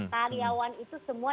karyawan itu semua